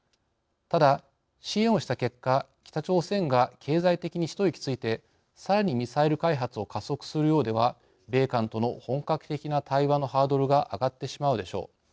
ただ、支援をした結果北朝鮮が経済的に一息ついてさらにミサイル開発を加速するようでは米韓との本格的な対話のハードルが上がってしまうでしょう。